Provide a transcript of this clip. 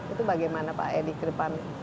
itu bagaimana pak edi ke depan